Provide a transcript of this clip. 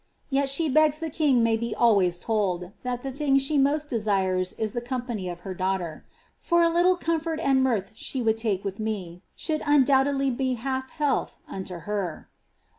Tet she begs the king may be always told, that the thing she most desires is the company of her daughter ;^^ for a little comfort and mirth she would take with me should undoubtedly be a half health unto her.'